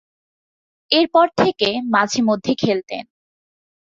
এরপর থেকে মাঝে-মধ্যে খেলতেন।